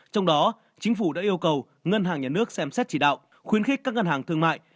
trong đó chính phủ đã yêu cầu ngân hàng nhà nước xem xét chỉ đạo khuyến khích các ngân hàng thương mại